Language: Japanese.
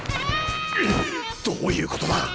どういうことだ？